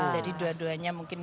jadi keduanya mungkin